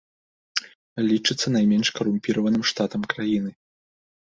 Лічыцца найменш карумпіраваным штатам краіны.